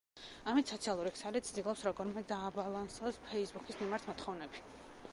ამით სოციალური ქსელი ცდილობს როგორმე დააბალანსოს „ფეისბუქის“ მიმართ მოთხოვნები.